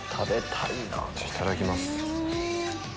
いただきます。